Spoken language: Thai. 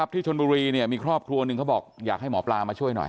ที่ชนบุรีมีครอบครัวหนึ่งเขาบอกอยากให้หมอปลามาช่วยหน่อย